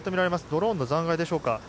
ドローンの残骸でしょうか。